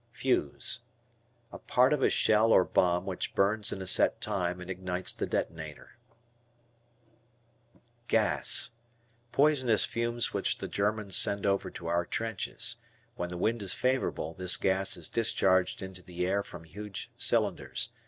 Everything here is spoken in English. Fuse. A part of shell or bomb which burns in a set time and ignites the detonator. G Gas. Poisonous fumes which the Germans send over to our trenches. When the wind is favorable this gas is discharged into the air from huge cylinders.